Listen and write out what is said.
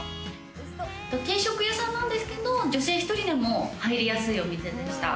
定食屋さんなんですけれども女性１人でも入りやすいお店でした。